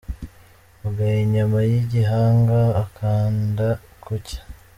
Ugaya inyama y'igihanga akanda kucye.